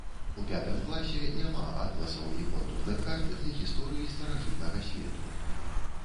У пятым класе няма атласаў і контурных карт для гісторыі старажытнага свету.